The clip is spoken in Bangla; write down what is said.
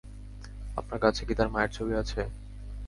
আপনার কাছে কি তার মাযের ছবি আছে?